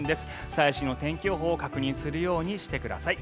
最新の天気予報を確認するようにしてください。